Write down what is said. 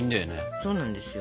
そうなんですよ。